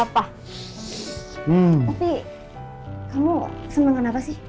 tapi kamu senang kenapa sih